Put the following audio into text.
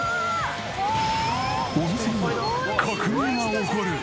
お店に革命が起こる！